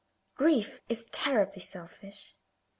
Grief is terribly selfish.